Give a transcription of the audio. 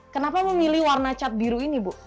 kenapa memilih warna cat biru ini bu